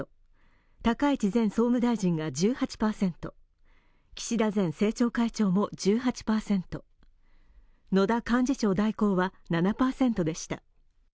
高市前総務大臣が１８％、岸田前政調会長も１８％、野田幹事長代行は７％でした。